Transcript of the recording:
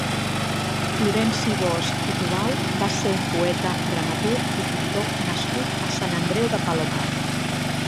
Florenci Bosch i Tubau va ser un poeta, dramaturg i pintor nascut a Sant Andreu de Palomar.